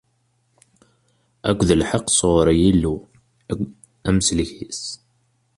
Akked lḥeqq sɣur Yillu, Amsellek-is.